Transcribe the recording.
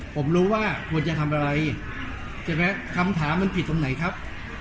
ผมรู้ว่าควรจะทำอะไรใช่ไหมคำถามมันผิดตรงไหนครับ